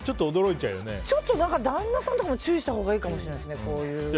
旦那さんとかも注意したほうがいいかもしれないですね。